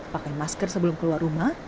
pakai masker sebelum keluar rumah